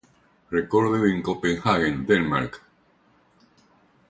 Recorded in Copenhagen, Denmark.